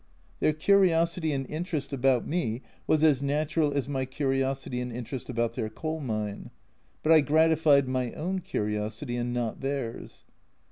Their curiosity and interest about me was as natural as my curiosity and interest about their coal mine, but I gratified my own curiosity and not theirs.